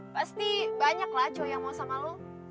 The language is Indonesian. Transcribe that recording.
pasti banyak lah cowok yang mau sama lo